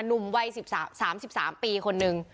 หนุ่มวัยสิบสามสามสิบสามปีคนนึง